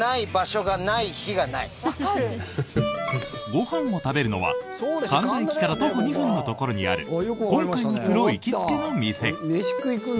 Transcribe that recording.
ご飯を食べるのは神田駅から徒歩２分のところにある今回のプロ行きつけの店